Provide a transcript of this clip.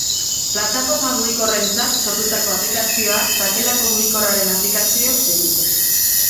Plataforma mugikorrentzat sortutako aplikazioak sakelako mugikorraren aplikazio deritze.